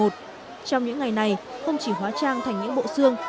trong những ngày này không chỉ hóa trang thành những bộ xương